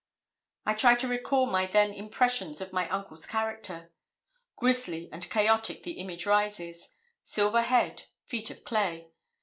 I try to recall my then impressions of my uncle's character. Grizzly and chaotic the image rises silver head, feet of clay.